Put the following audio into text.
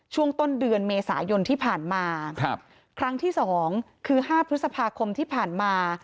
ช่วงต้นเดือนเมษายนที่ผ่านมาครับครั้งที่สองคือห้าพฤษภาคมที่ผ่านมา